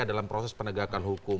dalam proses penegakan hukum